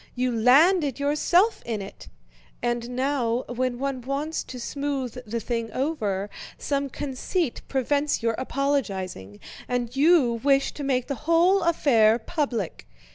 You landed yourself in it. And now, when one wants to smooth the thing over, some conceit prevents your apologizing, and you wish to make the whole affair public.